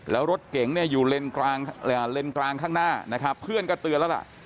แล้วรถเก่งอยู่เลนกลางข้างหน้าเพื่อนก็เตือนแล้วล่ะ